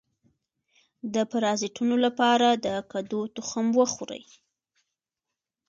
د پرازیتونو لپاره د کدو تخم وخورئ